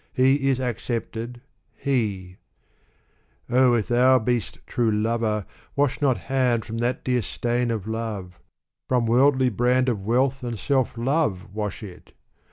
— He is accepted j he Oh, if thou be'st true Lover, wash not hand From that dear stain of Love I from worldly brand Of wealth and self love wash it